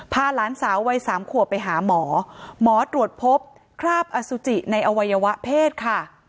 หลานสาววัยสามขวบไปหาหมอหมอตรวจพบคราบอสุจิในอวัยวะเพศค่ะ